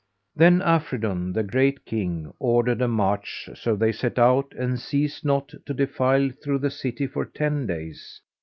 Then Afridun, the Great King, ordered a march; so they set out and ceased not to defile through the city for ten days.